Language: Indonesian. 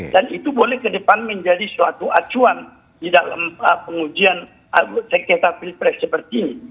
dan itu boleh ke depan menjadi suatu acuan di dalam pengujian cengketa pilpres seperti ini